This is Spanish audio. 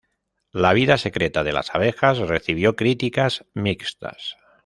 La vida secreta de las abejas recibió críticas mixtas.